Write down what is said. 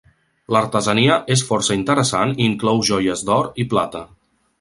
L'artesania és força interessant i inclou joies d'or i plata.